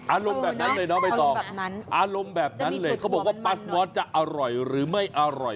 อารมณ์แบบนั้นเลยน้องใบตองอารมณ์แบบนั้นเลยเขาบอกว่าปัสมอสจะอร่อยหรือไม่อร่อย